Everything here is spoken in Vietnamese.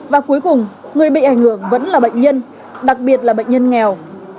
và cuối cùng người bị ảnh hưởng vẫn là bệnh nhân đặc biệt là bệnh nhân nghèo